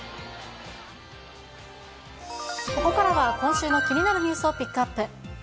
ここからは今週の気になるニュースをピックアップ。